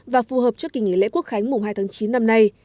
và phù hợp cho kỳ nghỉ lễ quốc khánh mùng hai tháng chín năm nay